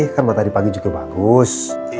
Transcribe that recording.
kan matahari pagi juga bagus